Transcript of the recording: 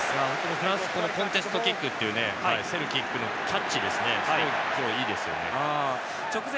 フランスコンテストキックという競るキックのキャッチがすごくいいですね。